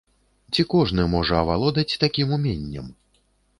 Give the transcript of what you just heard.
Ці кожны можа авалодаць такім уменнем?